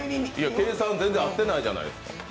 計算、全然合ってないじゃないですか。